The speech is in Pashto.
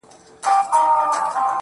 لكه د دوو جنـــــــگ